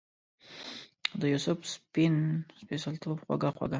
دیوسف سپین سپیڅلتوبه خوږه خوږه